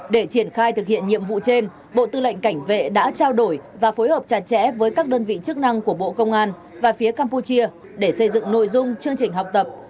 để triển khai thực hiện nhiệm vụ trên bộ tư lệnh cảnh vệ đã trao đổi và phối hợp chặt chẽ với các đơn vị chức năng của bộ công an và phía campuchia để xây dựng nội dung chương trình học tập